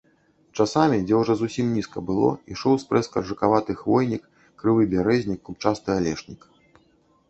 Часамі, дзе ўжо зусім нізка было, ішоў спрэс каржакаваты хвойнік, крывы бярэзнік, купчасты алешнік.